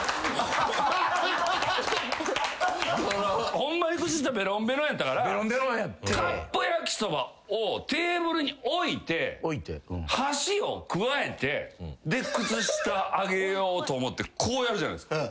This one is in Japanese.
ホンマに靴下ベロンベロンやったからカップ焼きそばをテーブルに置いて箸をくわえて靴下上げようと思ってこうやるじゃないっすか。